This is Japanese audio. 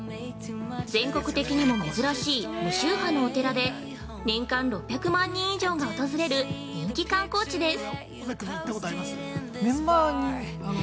全国的にも珍しい無宗派のお寺で年間６００万人以上が訪れる人気観光地です。